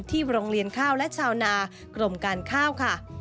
โรงเรียนข้าวและชาวนากรมการข้าวค่ะ